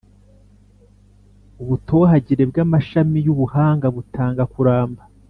ubutohagire bw’amashami yubuhanga butanga kuramba